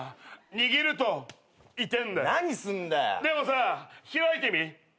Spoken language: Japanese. でもさ開いてみ？